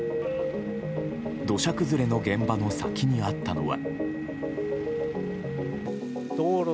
土砂崩れの現場の先にあったのは。